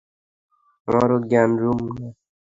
আমারো জ্ঞান কম না?